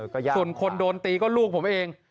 ส่วนคนโดนตีก็ลูกผมเอง